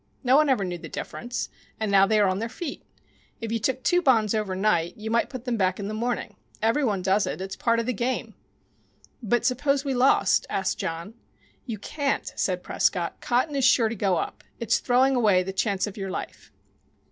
No one ever knew the difference, and now they are on their feet. If you took two bonds overnight you might put them back in the morning. Every one does it. It's part of the game." "But suppose we lost?" asked John. "You can't," said Prescott. "Cotton is sure to go up. It's throwing away the chance of your life."